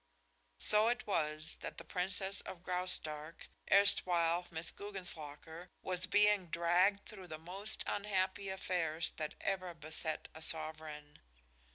So it was that the Princess of Graustark, erstwhile Miss Guggenslocker, was being dragged through the most unhappy affairs that ever beset a sovereign.